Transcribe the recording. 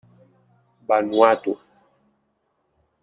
Vanuatu.